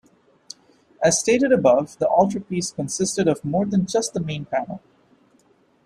As stated above, the altarpiece consisted of more than just the main panel.